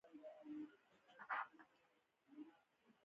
پاڼې د باد له مستۍ سره لوبې کوي